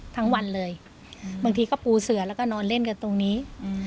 ทั้งวันเลยบางทีก็ปูเสือแล้วก็นอนเล่นกันตรงนี้